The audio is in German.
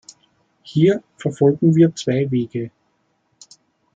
Hier verfolgen wir zwei Wege.